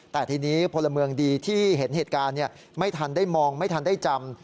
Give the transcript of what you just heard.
แต่ทีนี้พลเมืองดีที่เห็นเหตุการณ์ไม่ทันได้มองไม่ทันได้จำ